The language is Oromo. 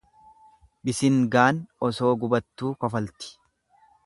Bisingaan osoo gubattuu kofalti.